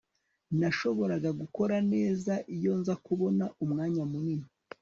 nashoboraga gukora neza iyo nza kubona umwanya munini